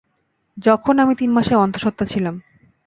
যখন আমি তিন মাসের অন্তঃসত্ত্বা ছিলাম।